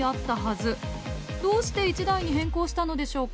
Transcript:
どうして１台に変更したのでしょうか？